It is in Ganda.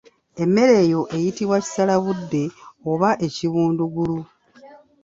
Emmere eyo eyitibwa ekisalabudde oba ekibundugulu.